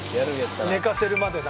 寝かせるまでな。